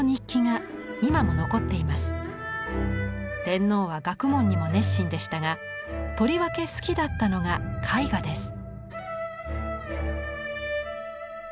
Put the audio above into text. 天皇は学問にも熱心でしたがとりわけ好きだったのが絵画です。